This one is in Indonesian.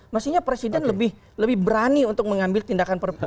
mestinya presiden lebih berani untuk mengambil tindakan perpu